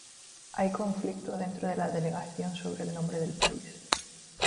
Hay conflicto dentro de la Delegación sobre el nombre del país.